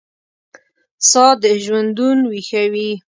ساه دژوندون ویښوي